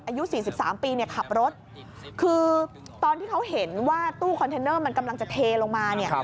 อายุ๔๓ปีเนี่ยขับรถคือตอนที่เขาเห็นว่าตู้คอนเทนเนอร์มันกำลังจะเทลงมาเนี่ย